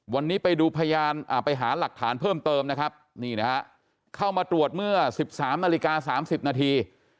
วันนี้ไปดูพยานไปหาหลักฐานเพิ่มเติมนะครับนี่นะฮะเข้ามาตรวจเมื่อ๑๓นาฬิกา๓๐นาที